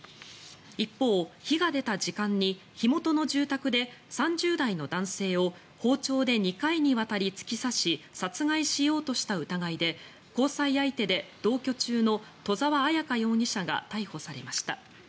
一方、火が出た時間に火元の住宅で３０代の男性を包丁で２回にわたり突き刺し殺害しようとした疑いで交際相手で同居中の戸澤彩香容疑者が逮捕されました。